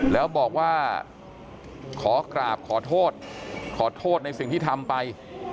แล้วบอกว่าขอกราบขอโทษขอโทษในสิ่งที่ทำไป